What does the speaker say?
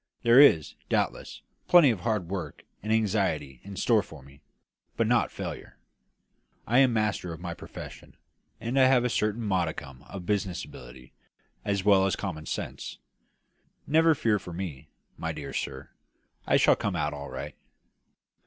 "There is, doubtless, plenty of hard work and anxiety in store for me, but not failure. I am master of my profession, and I have a certain modicum of business ability, as well as common sense. Never fear for me, my dear sir; I shall come out all right."